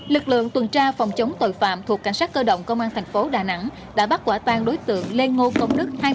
lực lượng tuần tra phòng chống tội phạm thuộc cảnh sát cơ động công an thành phố đà nẵng đã bắt quả tang đối tượng lê ngô công đức